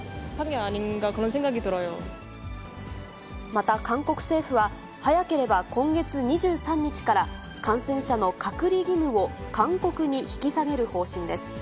また韓国政府は、早ければ今月２３日から、感染者の隔離義務を勧告に引き下げる方針です。